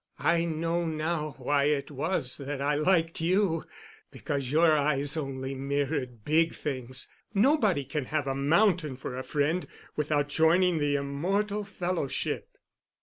I know now why it was that I liked you—because your eyes only mirrored big things—nobody can have a mountain for a friend without joining the immortal Fellowship.